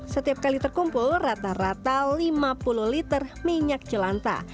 setiap kali terkumpul rata rata lima puluh liter minyak jelanta